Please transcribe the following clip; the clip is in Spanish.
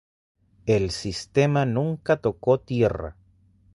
El sistema nunca tocó tierra.